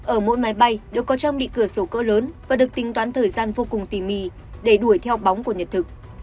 ở mỗi máy bay đều có trang bị cửa sổ cỡ lớn và được tính toán thời gian vô cùng tỉ mì để đuổi theo bóng của nhật thực